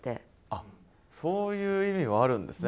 あっそういう意味もあるんですね